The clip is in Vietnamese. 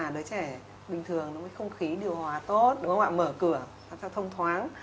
đứa trẻ bình thường không khí điều hòa tốt mở cửa thông thoáng